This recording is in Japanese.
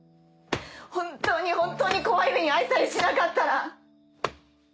本当に本当に怖い目に遭いさえしなかったら！